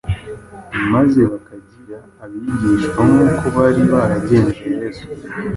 maze bakagirira abigishwa nk’uko bari baragenje Yesu.